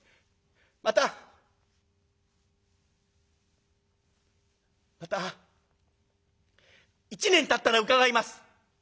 またまた一年たったら伺います」。